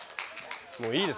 もういいです